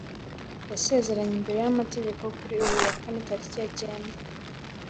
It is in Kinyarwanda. yasezeranye imbere y’amategeko kuri uyu wa kane tariki ya cyenda